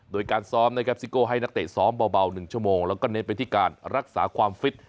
โดยการซ้อมนะครับซิโก้ให้นักเตะซ้อมเบา๑ชั่วโมงแล้วก็เน้นไปที่การรักษาความฟิต